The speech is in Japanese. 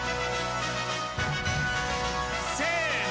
せの！